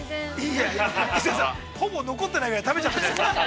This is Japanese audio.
◆いやいや、磯山さんほぼ残ってないぐらい食べちゃったじゃないですか。